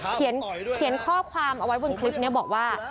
เขียนข้อความเอาไว้บนคลิปนี้บอกว่า